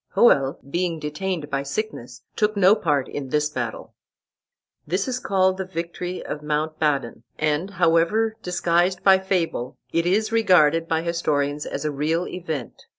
Hoel, being detained by sickness, took no part in this battle. This is called the victory of Mount Badon, and, however disguised by fable, it is regarded by historians as a real event.